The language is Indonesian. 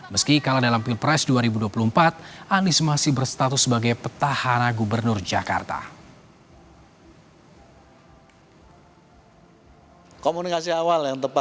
meski kalah dalam pilpres dua ribu dua puluh empat anies masih berstatus sebagai petahana gubernur jakarta